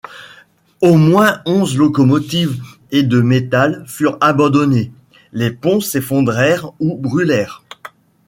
Au moins onze locomotives et de métal furent abandonnées, les ponts s'effondrèrent ou brûlèrent.